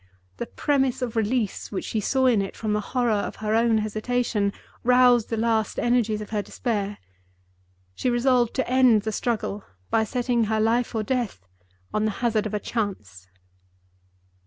The promise of release which she saw in it from the horror of her own hesitation roused the last energies of her despair. She resolved to end the struggle by setting her life or death on the hazard of a chance.